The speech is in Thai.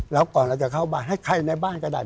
แล้วก่อนเราจะเข้าบ้านให้ใครในบ้านก็ได้